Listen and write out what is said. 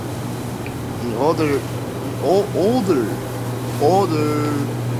In older designs, the underflow gap had just one usable value, zero.